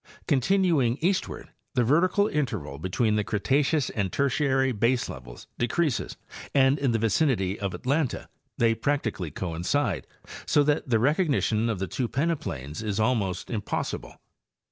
Continuing eastward, the vertical interval between the Cretaceous and Ter tiary baselevels decreases and in the vicinity of Atlanta they practically coincide, so that the recognition of the two peneplains is almost impossible.